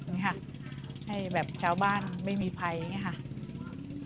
อย่างนี้ค่ะให้แบบชาวบ้านไม่มีภัยอย่างนี้ค่ะ